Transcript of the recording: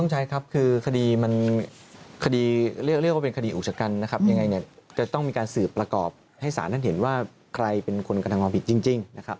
หรือพิสูจน์กับหน่วยงานรึป่าวไม่รู้